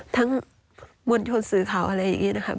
มวลชนสื่อข่าวอะไรอย่างนี้นะครับ